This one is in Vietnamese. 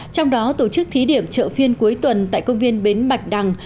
trong đó tổ chức thí điểm chợ phiên cuối tuần tại công viên bến bạch đằng